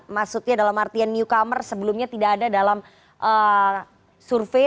maksudnya dalam artian newcomer sebelumnya tidak ada dalam survei